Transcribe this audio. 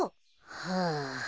はあ。